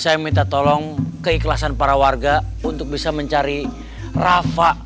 saya minta tolong keikhlasan para warga untuk bisa mencari rafa